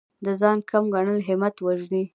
د ځان کم ګڼل همت وژني.